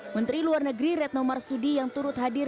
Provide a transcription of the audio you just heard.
menteri luar negeri retno marsudi yang turut hadir